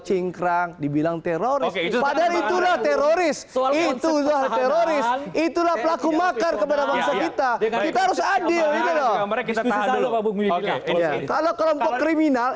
singkrang dibilang teroris teroris teroris itulah pelaku makan kepada kita harus adil